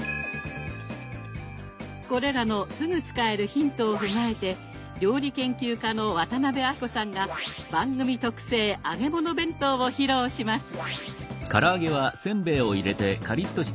これらのすぐ使えるヒントを踏まえて料理研究家の渡辺あきこさんが番組特製揚げ物弁当を披露します。